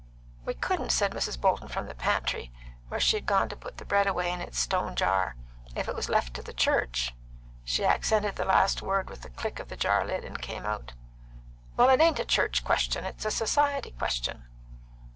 "We couldn't," said Mrs. Bolton from the pantry, where she had gone to put the bread away in its stone jar, "if it was left to the church." She accented the last word with the click of the jar lid, and came out. "Well, it ain't a church question. It's a Society question."